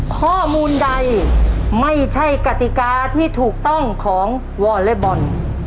ข้อมูลใดไม่ใช่กติกาที่ถูกต้องของวอเล็กบอล